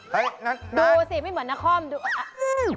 เฮ่ยนั่นนั่นดูสิไม่เหมือนนาคอมดู